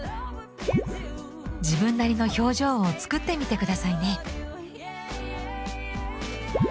自分なりの表情を作ってみて下さいね。